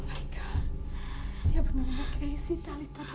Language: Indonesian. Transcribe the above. dia benar benar crazy tali tadi